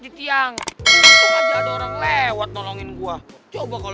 gimana sayang kamu gak kecapean kan